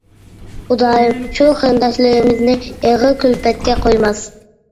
خۇدايىم شۇ قېرىنداشلىرىمىزنى ئېغىر كۈلپەتكە قويماس.